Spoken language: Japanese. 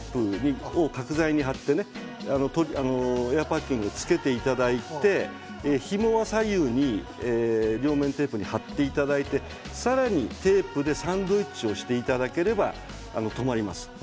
これは、エアパッキンを両面テープを角材に貼ってエアパッキンをつけていただいてひもは左右に両面テープで貼っていただいてさらにテープでサンドイッチしていただければ留まります。